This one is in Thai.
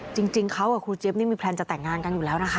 จริงเขากับครูเจี๊ยบนี่มีแพลนจะแต่งงานกันอยู่แล้วนะคะ